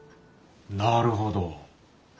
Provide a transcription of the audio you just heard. なるほど。